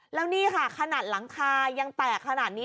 แล้วนี่ค่ะขนาดหลังคายังแตกขนาดนี้